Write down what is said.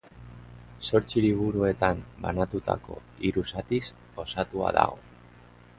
Zortzi liburuetan banatutako hiru zatiz osatua dago.